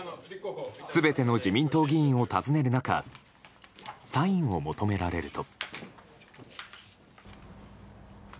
全ての自民党議員を訪ねる中サインを求められると。